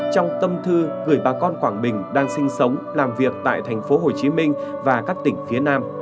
trong tâm thư gửi bà con quảng bình đang sinh sống làm việc tại thành phố hồ chí minh và các tỉnh phía nam